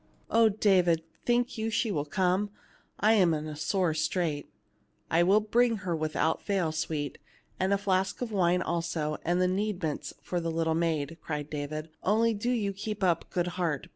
Oh, David, think you she will come ? I am in a sore strait." "I will bring her without fail, sweet, and a flask of wine also, and needments for the little maid," cried David. " Only do you keep up good heart.